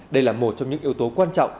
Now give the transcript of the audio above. đây là một trong những yếu tố quan trọng